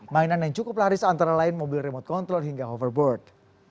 mainan yang cukup laris antara lain mobil remote control hingga hoverboard